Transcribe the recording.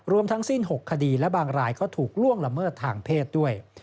ทั้งสิ้น๖คดีและบางรายก็ถูกล่วงละเมิดทางเพศด้วย